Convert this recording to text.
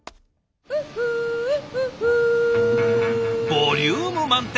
ボリューム満点